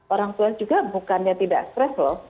orang tua juga bukannya tidak stres loh